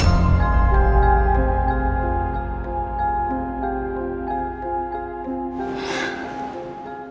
pasang perasaan perasaan